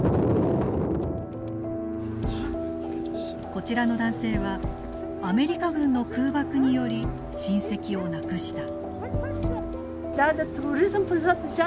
こちらの男性はアメリカ軍の空爆により親戚を亡くした。